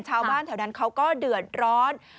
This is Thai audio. ชาวบ้านแถวนั้นเขาก็เดือดร้อน